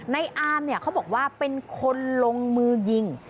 ในอาร์มเขาบอกว่าเป็นคนลงมือยิง